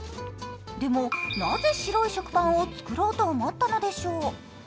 でも、なぜ白い食パンを作ろうと思ったのでしょう？